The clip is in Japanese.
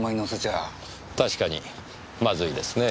確かにまずいですね。